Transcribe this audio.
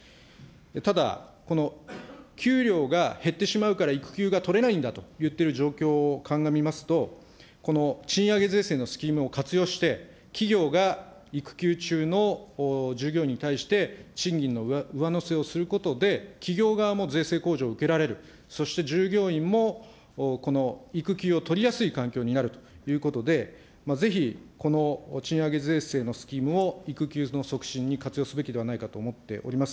ただ、この給料が減ってしまうから育休が取れないんだといっている状況を鑑みますと、この賃上げ税制のスキームを活用して、企業が育休中の従業員に対して、賃金の上乗せをすることで、企業側も税制控除を受けられる、そして従業員も、この育休を取りやすい環境になるということで、ぜひ、この賃上げ税制のスキームを育休の促進に活用すべきではないかと思っております。